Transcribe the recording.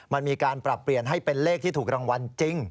มันมีการปรับเปลี่ยนให้เป็นเลขที่ถูกรางวัลจริง